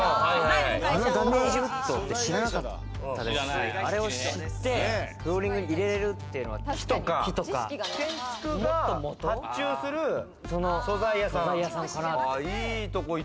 あのダメージウッドって知らなかったですし、あれを知ってフローリングに入れるっていうのは木とか素材屋さんかなって。